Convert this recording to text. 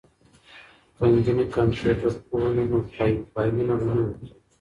که نجونې کمپیوټر پوهې وي نو فایلونه به نه ورکیږي.